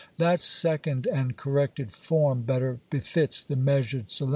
That second and corrected form better befits the measured solem VoL.